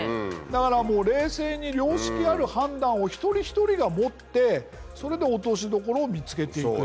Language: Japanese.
だから冷静に良識ある判断を一人一人が持ってそれで落としどころを見つけていく。